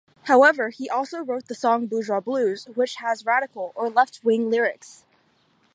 However, he also wrote the song "Bourgeois Blues", which has radical or left-wing lyrics.